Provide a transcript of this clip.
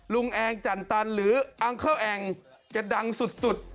ลุงแองจันตันหรืออังเกิ้ลแองแกดังสุดสุด